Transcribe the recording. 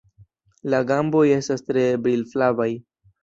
La gamboj estas tre brilflavaj.